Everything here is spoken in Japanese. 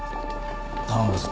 頼んだぞ。